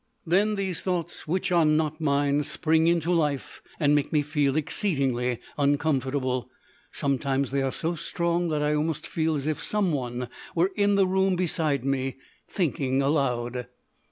Then these thoughts which are not mine spring into life and make me feel exceedingly uncomfortable. Sometimes they are so strong that I almost feel as if someone were in the room beside me, thinking aloud.